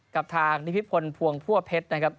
กับทางนิพิพลพวงพั่วเพชรนะครับ